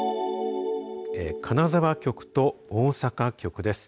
金沢局と大阪局です。